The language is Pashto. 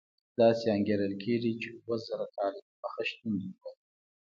داسې انګېرل کېږي چې اوه زره کاله دمخه شتون درلود.